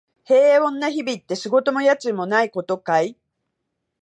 平穏な日々って、仕事も家賃もないことかい？